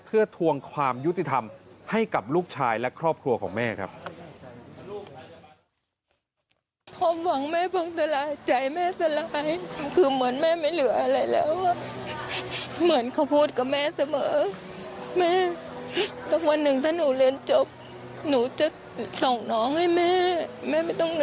เพื่อทวงความยุติธรรมให้กับลูกชายและครอบครัวของแม่ครับ